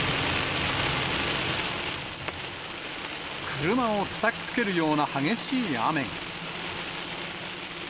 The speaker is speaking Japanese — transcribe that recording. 車をたたきつけるような激しい雨が。